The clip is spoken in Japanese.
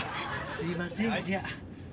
すいませんじゃ。